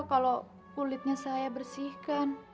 kalau kulitnya saya bersihkan